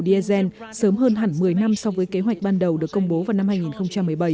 diesel sớm hơn hẳn một mươi năm so với kế hoạch ban đầu được công bố vào năm